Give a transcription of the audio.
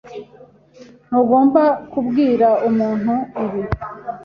Ntugomba kubwira umuntu ibi